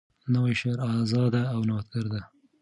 نوی شعر آزاده او نوښتګر دی.